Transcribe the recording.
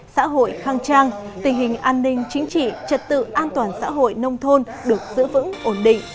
xã hội khang trang tình hình an ninh chính trị trật tự an toàn xã hội nông thôn được giữ vững ổn định